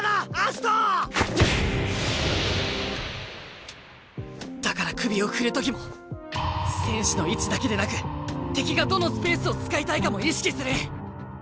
心の声だから首を振る時も選手の位置だけでなく敵がどのスペースを使いたいかも意識する！